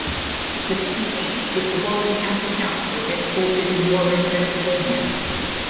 The seventeenth was the Warren County Council headquartered in Warren, Pennsylvania.